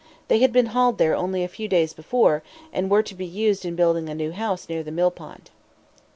They had been hauled there only a few days before, and were to be used in building a new house near the millpond.